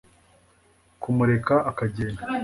kumureka akagenda